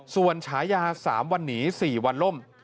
ส่วนฉายา๓วันหนี๔วันล่ม